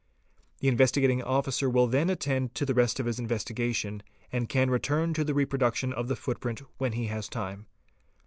The Investigating Officer will then attend to the rest of his investigation and can return to the reproduction of the footprint when he has time.